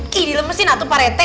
gila lemesin lah tuh pak rt